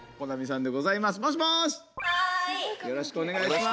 よろしくお願いします。